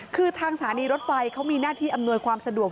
คือทางสถานีรถไฟเขามีหน้าที่อำนวยความสะดวก